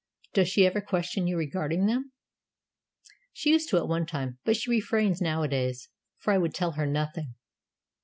Does she ever question you regarding them?" "She used to at one time; but she refrains nowadays, for I would tell her nothing."